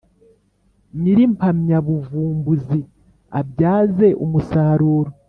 nyir impamyabuvumbuzi abyaze umusaruro